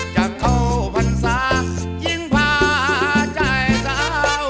จากเข้าพรรษายิ่งพาใจเศร้า